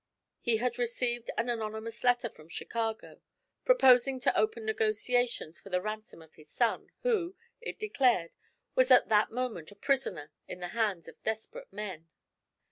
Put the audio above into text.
He had received an anonymous letter from Chicago, proposing to open negotiations for the ransom of his son, who, it declared, was at that moment a prisoner in the hands of desperate men.